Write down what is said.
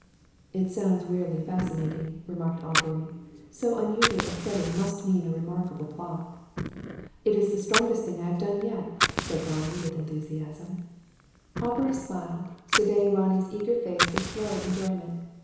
"It sounds weirdly fascinating," remarked Aubrey. "So unusual a setting, must mean a remarkable plot." "It is the strongest thing I have done yet," said Ronnie, with enthusiasm. Aubrey smiled, surveying Ronnie's eager face with slow enjoyment.